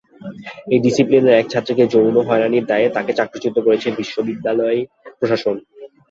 ওই ডিসিপ্লিনের এক ছাত্রীকে যৌন হয়রানির দায়ে তাঁকে চাকরিচ্যুত করেছে বিশ্ববিদ্যালয় প্রশাসন।